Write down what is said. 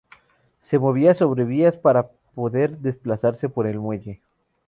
Se movía sobre vías para poder desplazarse por el muelle.